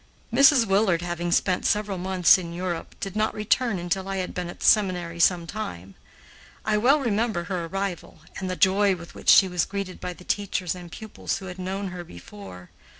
Mrs. Willard, having spent several months in Europe, did not return until I had been at the seminary some time. I well remember her arrival, and the joy with which she was greeted by the teachers and pupils who had known her before.